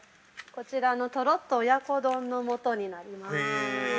こちらの「とろっと親子丼の素」になります。